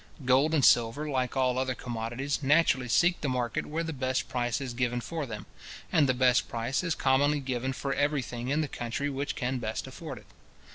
Gold and silver, like all other commodities, naturally seek the market where the best price is given for them, and the best price is commonly given for every thing in the country which can best afford it.